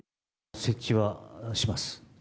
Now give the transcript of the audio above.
設置はします。